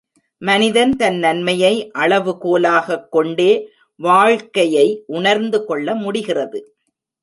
மனிதன் தன் நன்மையை அளவுகோலாகக் கொண்டே வாழ்க்கையை உணர்ந்துகொள்ள முடிகிறது.